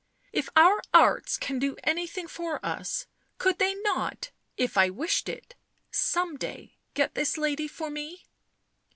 " If our arts can do anything for us — could they not — if I wished it — some day — get this lady for me?"